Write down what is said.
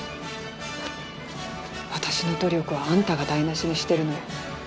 私の努力はあんたが台なしにしてるのよ。